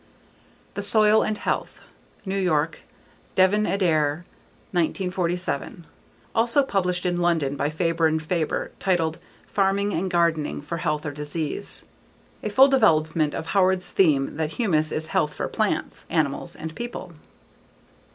The Soil and Health. New York: Devin Adair, 1947. Also published in London by Faber & Faber, titled Farming and Gardening for Health or Disease. A full development of Howard's theme that humus is health for plants, animals and people.